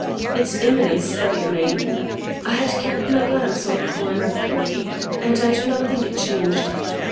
Its imminence steadied me. I had kept my glance on Coroner Perry, and I do not think it changed.